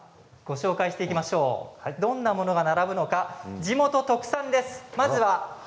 どんなものが並ぶのか地元特産です。